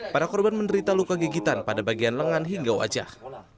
para korban menderita luka gigitan pada bagian lengan hingga wajah